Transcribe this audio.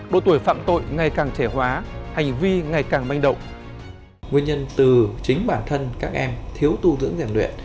đội tuổi phạm tội ngày càng trẻ hóa hành vi ngày càng manh động